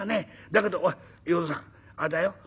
だけど淀さんあれだよ。